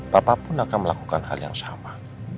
papa pun akan melakukan hal yang sama